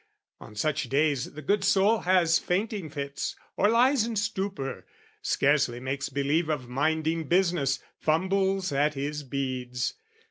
"On such days the good soul has fainting fits, "Or lies in stupor, scarcely makes believe "Of minding business, fumbles at his beads.